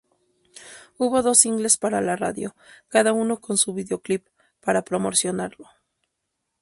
Hubo dos singles para la radio, cada uno con su videoclip, para promocionarlo.